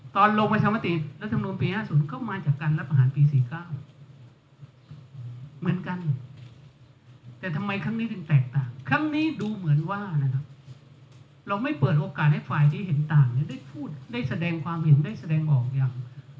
ลงประชามติรัฐมนุนปี๕๐ก็มาจากการรับประหารปี๔๙เหมือนกันแต่ทำไมครั้งนี้ถึงแตกต่างครั้งนี้ดูเหมือนว่านะครับเราไม่เปิดโอกาสให้ฝ่ายที่เห็นต่างได้พูดได้แสดงความเห็นได้แสดงออกอย่าง